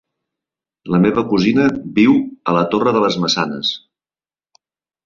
La meva cosina viu a la Torre de les Maçanes.